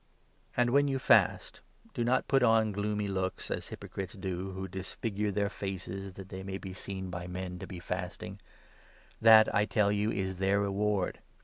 About And, when you fast, do not put on gloomy looks, 16 Fasting, as hypocrites do who disfigure their faces that they may be seen by men to be fasting. That, I tell you, is their reward